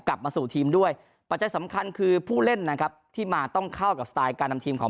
กลับมาสู่ทีมด้วยปัจจัยสำคัญคือผู้เล่นนะครับที่มาต้องเข้ากับสไตล์การนำทีมของ